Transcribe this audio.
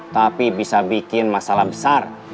tapi bisa bikin masalah besar